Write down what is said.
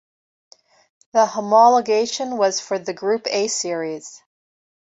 The homologation was for the Group A series.